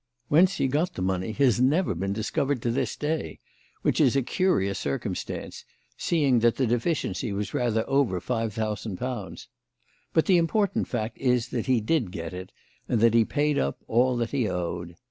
Whence he got the money has never been discovered to this day, which is a curious circumstance, seeing that the deficiency was rather over five thousand pounds; but the important fact is that he did get it and that he paid up all that he owed.